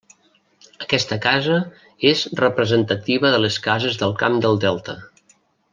Aquesta casa és representativa de les cases del camp del Delta.